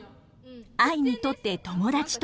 愛にとって友達とは。